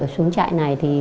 xuống trại này